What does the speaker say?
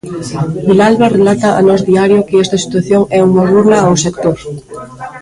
Vilalba relata a Nós Diario que esta situación é "unha burla ao sector".